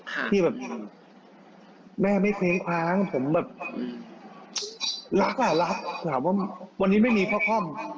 ที่แบบแม่ไม่เคว้งคว้างผมแบบรับป่ะรับถามว่าวันนี้ไม่มีพ่อคล่อม